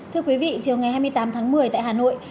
thưa quý vị chiều ngày hai mươi tám tháng một mươi tại hà nội